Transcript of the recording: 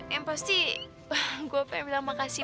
yang pasti gue pengen bilang makasih